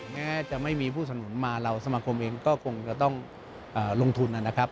แม้จะไม่มีผู้สนุนมาเราสมาคมเองก็คงจะต้องลงทุนนะครับ